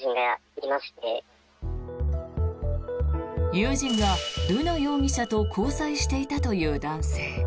友人が瑠奈容疑者と交際していたという男性。